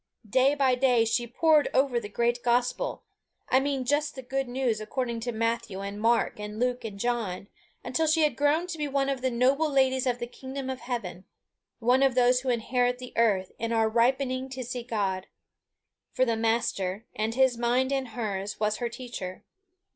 Day by day she pored over the great gospel I mean just the good news according to Matthew and Mark and Luke and John until she had grown to be one of the noble ladies of the kingdom of heaven one of those who inherit the earth, and are ripening to see God. For the Master, and his mind in hers, was her teacher.